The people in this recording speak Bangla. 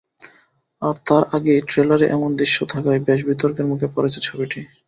আর তার আগেই ট্রেলারে এমন দৃশ্য থাকায় বেশ বিতর্কের মুখে পড়েছে ছবিটি।